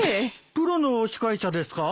プロの司会者ですか？